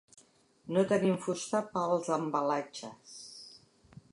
No tenim fusta per als embalatges.